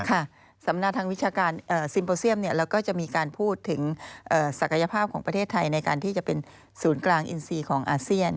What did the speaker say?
สำนักทางวิชาการซิมโปรเซียมเราก็จะมีการพูดถึงศักยภาพของประเทศไทยในการที่จะเป็นศูนย์กลางอินซีของอาเซียน